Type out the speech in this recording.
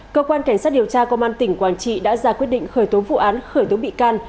cơ quan cảnh sát điều tra công an tỉnh quảng trị đã ra quyết định khởi tố vụ án khởi tố bị can